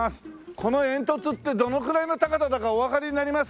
この煙突ってどのくらいの高さだかおわかりになります？